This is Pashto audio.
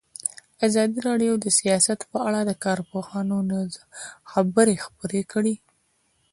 ازادي راډیو د سیاست په اړه د کارپوهانو خبرې خپرې کړي.